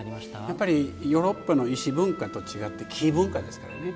やっぱりヨーロッパの石文化と違って木文化ですからね。